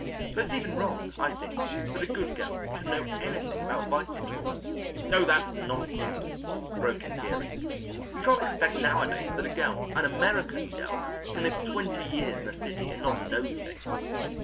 But it's even wrong, I think, that a good girl should know anything about vice at all." "Oh, that's nonsense," broke in Geary; "you can't expect nowadays that a girl, an American girl, can live twenty years in a city and not know things.